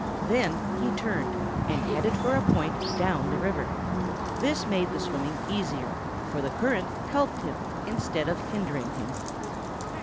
Then he turned and headed for a point down the Big River. This made the swimming easier, for the current helped him instead of hindering him.